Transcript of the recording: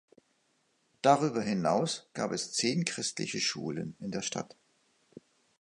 Darüber hinaus gab es zehn christliche Schulen in der Stadt.